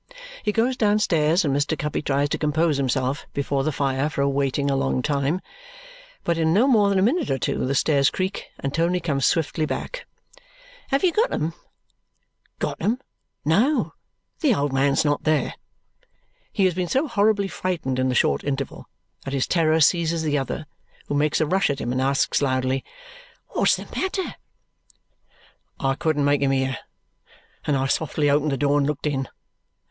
He goes downstairs, and Mr. Guppy tries to compose himself before the fire for waiting a long time. But in no more than a minute or two the stairs creak and Tony comes swiftly back. "Have you got them?" "Got them! No. The old man's not there." He has been so horribly frightened in the short interval that his terror seizes the other, who makes a rush at him and asks loudly, "What's the matter?" "I couldn't make him hear, and I softly opened the door and looked in.